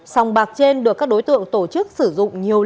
sòng bạc trên được các đối tượng tổ chức sử dụng nhiều